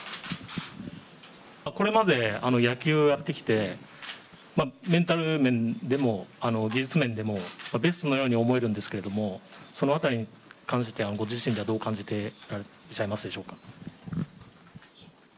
これまで野球をやってきて、メンタル面でも技術面でもベストなように思えるんですけど、その辺りではご自身ではどう感じてらっしゃるでしょうか？